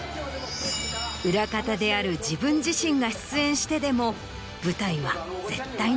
裏方である自分自身が出演してでも。